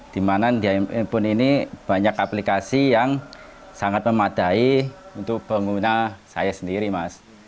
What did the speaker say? di mana di handphone ini banyak aplikasi yang sangat memadai untuk pengguna saya sendiri mas